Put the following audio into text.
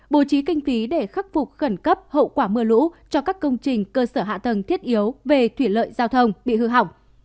bố trí kinh phí để khắc phục khẩn cấp hậu quả mưa lũ cho các công trình cơ sở hạ tầng thiết yếu về thủy lợi giao thông bị hư hỏng